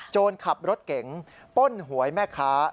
ขับรถเก๋งป้นหวยแม่ค้า